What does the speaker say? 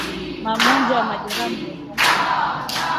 Magonjwa ya majeraha mdomoni